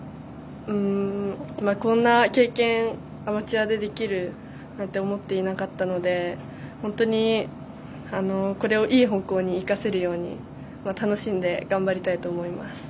こんな経験アマチュアでできるなんて思っていなかったので本当に、これをいい方向に生かせるように楽しんで頑張りたいと思います。